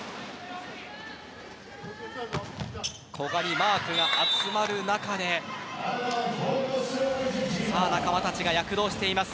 古賀にマークが集まる中で仲間たちが躍動しています。